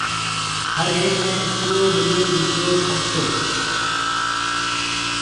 ھر ھيَََڪ نَي اِترو مِليو جِترو کَپتو۔